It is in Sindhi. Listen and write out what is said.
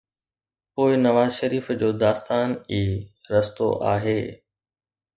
پوءِ نواز شريف جو داستان ئي رستو آهي.